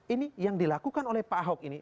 ini yang dilakukan oleh pak ahok ini